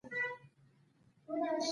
باچا ته یې هغه د ججې خط ورکړ.